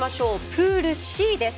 プールＣです。